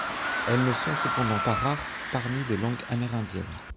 Elles ne sont cependant pas rares parmi les langues amérindiennes.